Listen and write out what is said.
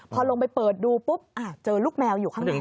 พอลงไปเปิดดูปุ๊บเจอลูกแมวอยู่ข้างใน